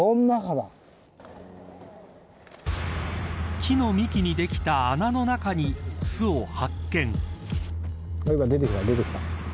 木の幹にできた穴の中に巣を発見。